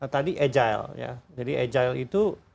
tadi agile ya jadi agile itu